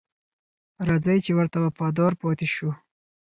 راځئ چې ورته وفادار پاتې شو.